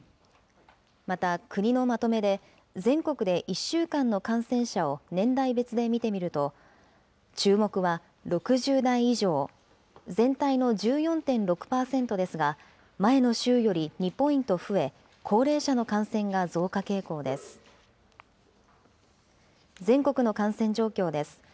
また、国のまとめで、全国で１週間の感染者を年代別で見てみると、注目は６０代以上、全体の１４．６％ですが、前の週より２ポイント増え、高齢者の感染が増加傾向です。